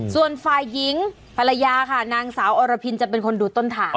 ส่วนฝ่ายหญิงภรรยาค่ะนางสาวอรพินจะเป็นคนดูต้นทาง